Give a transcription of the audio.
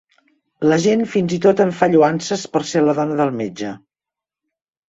La gent fins i tot em fa lloances per ser la dona del metge.